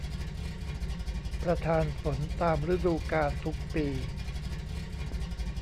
ประทานฝนตามฤดูกาลทุกปี